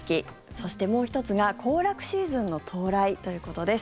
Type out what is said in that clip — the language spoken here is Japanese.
そして、もう１つが行楽シーズンの到来ということです。